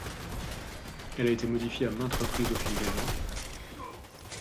Elle a été modifiée à maintes reprises au fil des ans.